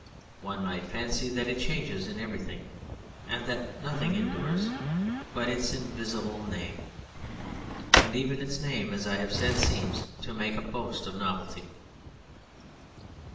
One might fancy that it changes in everything and that nothing endures but its invisible name; and even its name, as I have said, seems to make a boast of novelty.